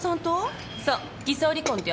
そう偽装離婚ってやつ。